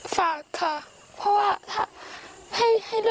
ฝากค่ะเพราะว่า